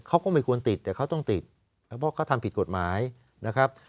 เขาก็ไม่ควรติดแต่เขาต้องติดเพราะเขาทำผิดกฎหมายนะครับ